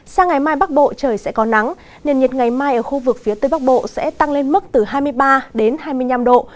sang ngày mai bắc bộ trời sẽ có nắng nền nhiệt ngày mai ở khu vực phía tây bắc bộ sẽ tăng lên mức từ hai mươi ba đến hai mươi năm độ